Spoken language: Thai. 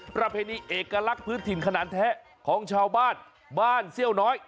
ประเพณีเอกลักษณ์พื้นถิ่นขนาดแท้ของชาวบ้านบ้านเซี่ยวน้อย